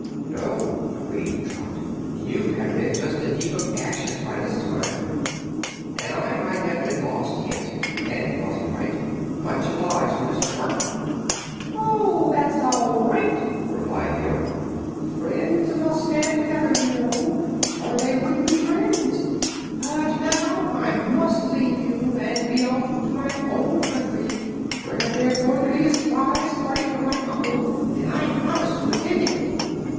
"No," agreed Trot, "you'd have been just a heap of ashes by this time." "And I might have been lost yet," added Button Bright. "Much obliged, Mr. Ork." "Oh, that's all right," replied the Ork. "Friends must stand together, you know, or they wouldn't be friends. But now I must leave you and be off to my own country, where there's going to be a surprise party on my uncle, and I've promised to attend it."